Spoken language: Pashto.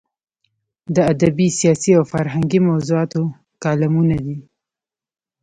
د ادبي، سیاسي او فرهنګي موضوعاتو کالمونه دي.